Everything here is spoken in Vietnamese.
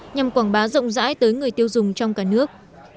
nhằm quảng bá rộng rãi tới người tiêu dùng trong cả nước